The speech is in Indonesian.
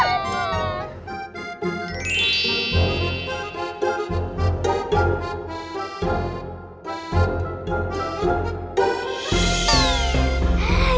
ke kutub utara